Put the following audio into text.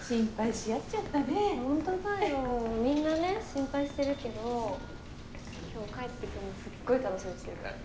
みんなね心配してるけど今日帰ってくるのすっごい楽しみにしてるからね